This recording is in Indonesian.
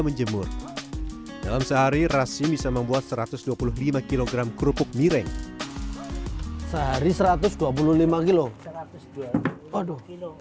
menjemur dalam sehari rasim bisa membuat satu ratus dua puluh lima kg kerupuk mireng sehari satu ratus dua puluh lima kilo waduh